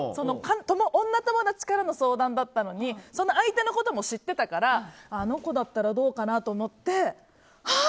女友達からの相談だったのにその相手のことも知ってたからあの子だったらどうかなと思ってあ！